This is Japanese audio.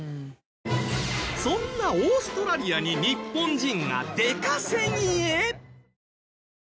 そんなオーストラリアに日本人が出稼ぎへ！？